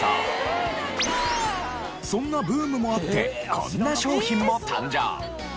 そんなブームもあってこんな商品も誕生。